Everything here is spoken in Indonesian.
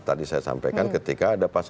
tadi saya sampaikan ketika ada pasal